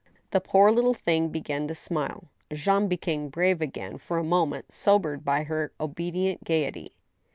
The poor little thing began to smile. Jean became grave again, for a moment sobered by her obedient gayety.